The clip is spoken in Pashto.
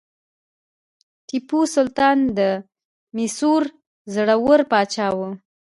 ټیپو سلطان د میسور زړور پاچا و.